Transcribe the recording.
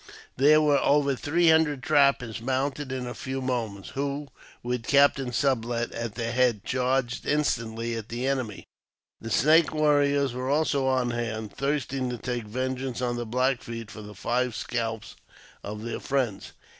There were over three hundred trappers mounted in a few moments, who, with Captain Sublet at their head, charged instantly on the enemy. The Snake warriors were also on hand, thirsting to take vengeance on the Black Feet for the five scalps of their friends.